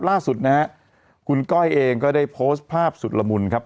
ล่าสุดนะฮะคุณก้อยเองก็ได้โพสต์ภาพสุดละมุนครับ